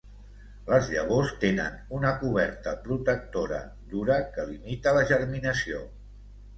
Les llavors tenen una coberta protectora dura que limita la germinació.